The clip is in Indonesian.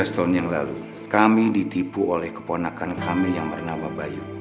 tiga belas tahun yang lalu kami ditipu oleh keponakan kami yang bernama bayu